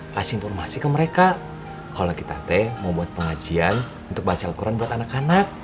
kasih informasi ke mereka kalau kita teh mau buat pengajian untuk baca al quran buat anak anak